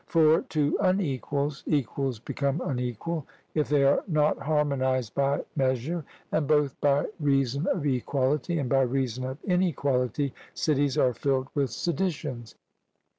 For to unequals equals become unequal, if they are not harmonised by measure; and both by reason of equality, and by reason of inequality, cities are filled with seditions.